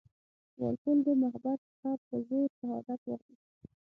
وال پول د مخبر څخه په زور شهادت واخیست.